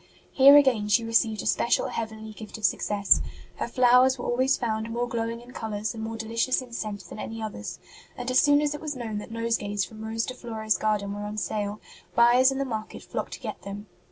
Here again she received a special heavenly gift of success; her flowers were always found more glowing in colours and more delicious in scent than any others ; and as soon as it was known that nosegays from Rose de Flores garden were on sale, buyers in the market flocked to get them.